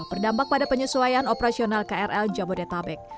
berdampak pada penyesuaian operasional krl jabodetabek